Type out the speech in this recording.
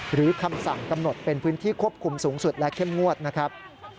คำสั่งกำหนดเป็นพื้นที่ควบคุมสูงสุดและเข้มงวดนะครับ